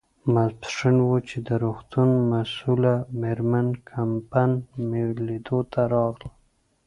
ماپیښین و، چې د روغتون مسؤله مېرمن کمپن مې لیدو ته راغلل.